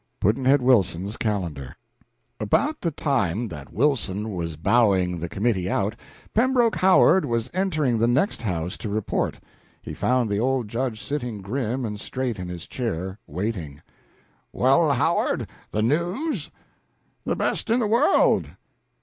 Pudd'nhead Wilson's Calendar. About the time that Wilson was bowing the committee out, Pembroke Howard was entering the next house to report. He found the old Judge sitting grim and straight in his chair, waiting. "Well, Howard the news?" "The best in the world."